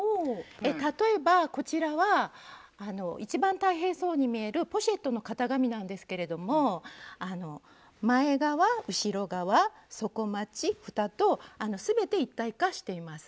例えばこちらは一番大変そうに見えるポシェットの型紙なんですけれども前側後ろ側底まちふたと全て一体化しています。